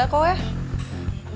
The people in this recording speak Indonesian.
banyak hal yang menjudikannya